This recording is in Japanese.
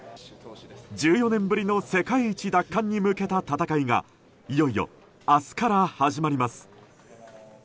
１４年ぶりの世界一奪還へ向けた戦いがいよいよ明日から始まります。